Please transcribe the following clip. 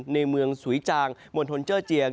ในเมืองสุยจางมณฑลเจอร์เจียง